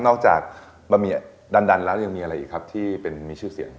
นอกจากดันดันแล้วยังมีอะไรอีกครับที่มีชื่อเสียง